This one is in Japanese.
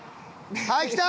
はい来た！